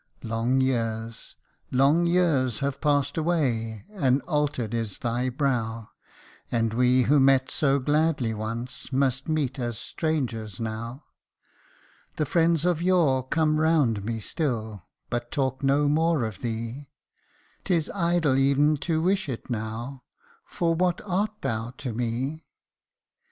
Long years long years have passed away, and altered is thy brow ; And we who met so gladly once, must meet as strangers now : The friends of yore come round me still, but talk no more of thee ; 'Tis idle ev'n to wish it now for what art thou to me ? 262 THE NAME.